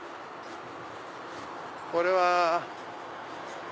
これは。